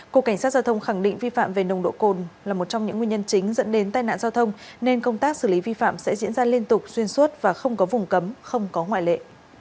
cục cảnh sát giao thông khẳng định vi phạm về nồng độ cồn là một trong những nguyên nhân chính dẫn đến tai nạn giao thông nên công tác xử lý vi phạm sẽ diễn ra liên tục xuyên suốt và không có vùng cấm không có ngoại lệ